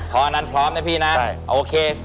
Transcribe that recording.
เพราะอันนั้นพร้อมนะพี่นะโอเค